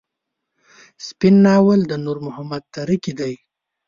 سپين ناول د نور محمد تره کي دی.